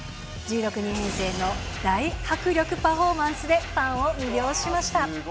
１６人編成の大迫力パフォーマンスで、ファンを魅了しました。